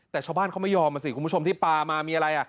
แต่ชาวบ้านเขาไม่ยอมอ่ะสิคุณผู้ชมที่ปลามามีอะไร